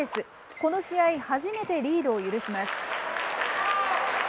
この試合、初めてリードを許します。